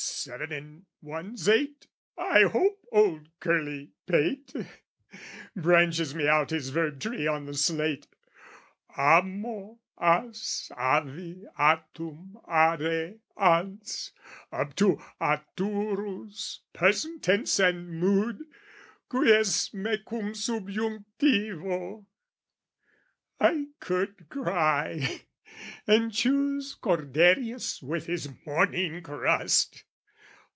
Seven and one's eight, I hope, old curly pate! Branches me out his verb tree on the slate, Amo as avi atum are ans, Up to aturus, person, tense, and mood, Quies me cum subjunctivo (I could cry) And chews Corderius with his morning crust!